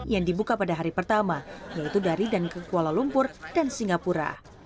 yang dibuka pada hari pertama yaitu dari dan ke kuala lumpur dan singapura